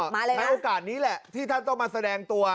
มาแล้วในโอกาสนี้แหละที่ท่านต้องมาแสดงตัว